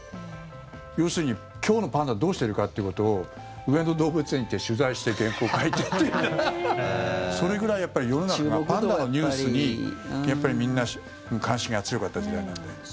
要するに、今日のパンダどうしてるかということを上野動物園に行って取材して原稿書いてみたいなそれぐらい世の中がパンダのニュースにやっぱりみんな関心が強かった時代なんで。